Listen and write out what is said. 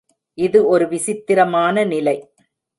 இது ஒரு விசித்திரமான நிலை.